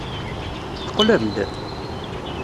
Teqqlem-d?